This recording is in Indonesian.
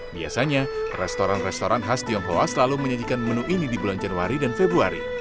biasanya restoran restoran khas tionghoa selalu menyajikan menu ini di bulan januari dan februari